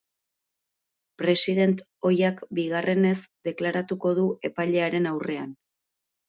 President ohiak bigarrenez deklaratuko du epailearen aurrean.